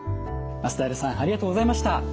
松平さんありがとうございました。